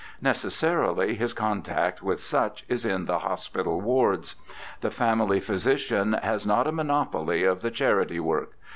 Necessarily his con tact with such is in the hospital wards. The family physician has not a monopoly of the charity work.